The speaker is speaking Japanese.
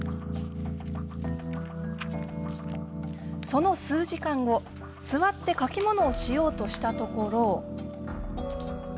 その数時間後座って書き物をしようとしたところ。